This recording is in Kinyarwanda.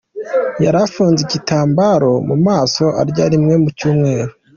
Yari afunze igitambaro mu maso arya rimwe mu cyumweru.